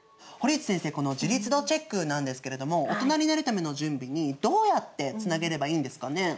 堀内先生この自立度チェックなんですけれどもオトナになるための準備にどうやってつなげればいいんですかね？